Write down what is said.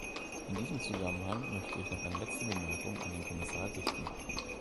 In diesem Zusammenhang möchte ich noch eine letzte Bemerkung an den Kommissar richten.